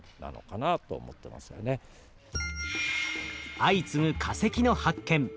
相次ぐ化石の発見。